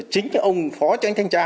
chính ông phó cho anh thanh tra